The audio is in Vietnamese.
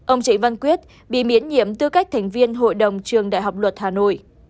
ông trịnh văn quyết bị miễn nhiệm tư cách thành viên hội đồng trường đại học luật hà nội